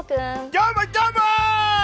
どーも、どーも！